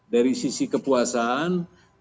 dari sisi kepuasan